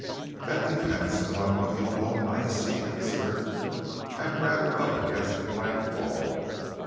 "That depends upon what you call nice," he answered. "I am rather up against a blank wall.